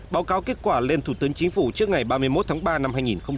báo cáo kết quả lên thủ tướng chính phủ trước ngày ba mươi một tháng ba năm hai nghìn hai mươi